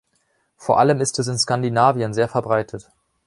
Vor allem ist es in Skandinavien sehr verbreitet.